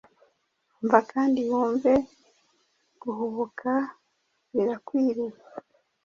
Umva kandi wumve guhubuka birakwiriye